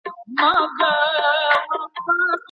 څه شي د هوسا ژوند په جوړولو کي تر ټولو مهم دی؟